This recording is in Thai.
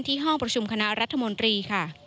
ที่ห้องประชุมคณะรัฐมนตรี